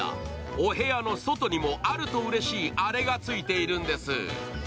お部屋の外にもあるとうれしいあれがついているんです。